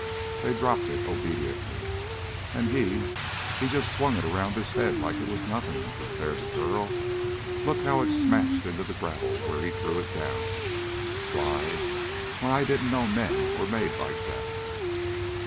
They dropped it obediently. "And he he just swung it around his head like it was nothing!" declared the girl. "Look how it smashed into the gravel where he threw it down! Why why I didn't know men was made like that.